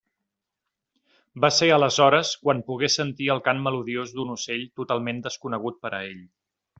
Va ser aleshores quan pogué sentir el cant melodiós d'un ocell totalment desconegut per a ell.